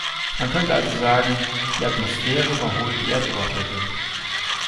Man könnte also sagen, die Atmosphäre überholt die Erdoberfläche.